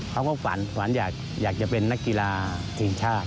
เขาก็ฝันฝันอยากจะเป็นนักกีฬาทีมชาติ